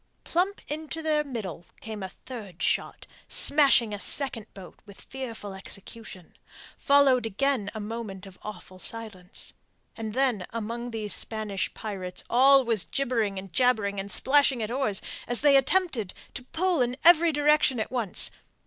Plump into their middle came a third shot, smashing a second boat with fearful execution. Followed again a moment of awful silence, then among those Spanish pirates all was gibbering and jabbering and splashing of oars, as they attempted to pull in every direction at once.